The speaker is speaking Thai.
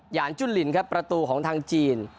ยานจุ้นลินครับประตูของทางจีน